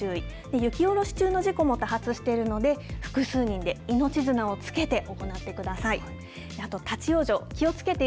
雪下ろし中の事故も多発しているので、複数人で命綱をつけて行ってください。